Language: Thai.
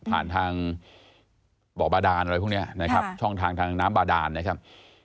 ผ่านทางบ่อบาดานอะไรพวกนี้นะครับช่องทางทางน้ำบาดานนะครับ